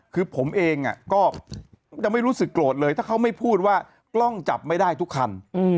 คือผมเองก็ยังไม่รู้สึกโกรธเลยถ้าเขาไม่พูดว่ากล้องจับไม่ได้ทุกคัน